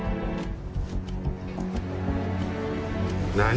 何？